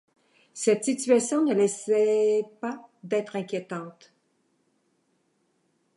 Cette situation ne laissait pas d’être inquiétante.